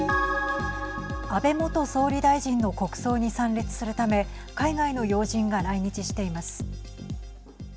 安倍元総理大臣の国葬に参列するため海外の要人が来日しています。